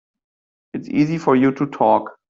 It's easy for you to talk.